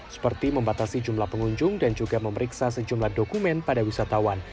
seperti membatasi jumlah pengunjung dan juga memeriksa sejumlah dokumen pada wisatawan